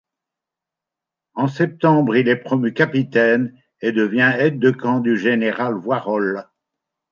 En septembre, il est promu capitaine et devient aide-de-camp du général Voirol.